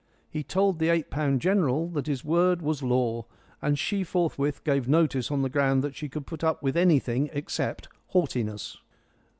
He told the eight pound general that his word was law, and she forthwith gave notice on the ground that she could put up with anything except haughtiness.